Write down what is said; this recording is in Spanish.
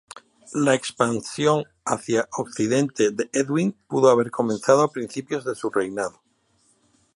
La expansión hacia occidente de Edwin pudo haber comenzado a principios de su reinado.